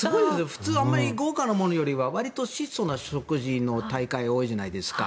普通、豪華なものよりはわりと質素な食事の大会が多いじゃないですか。